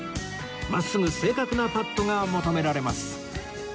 真っすぐ正確なパットが求められます